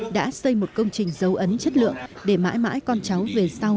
đã xây một công trình dấu ấn chất lượng để mãi mãi con cháu về sau